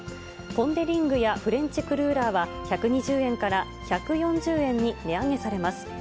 ポン・デ・リングやフレンチクルーラーは、１２０円から１４０円に値上げされます。